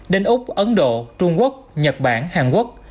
đến úc ấn độ trung quốc nhật bản hàn quốc